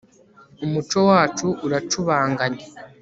umuco wacu uracubanganye